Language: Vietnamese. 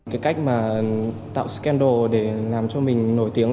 cái cách mà tạo scandal để làm cho mình nổi tiếng